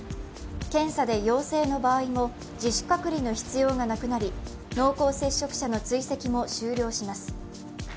検査で陽性の場合も自主隔離の必要がなくなり濃厚接触者の追跡も終了します。